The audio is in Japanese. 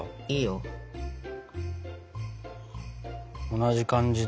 同じ感じで。